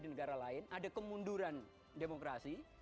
ada kemuduran negara lain ada kemunduran demokrasi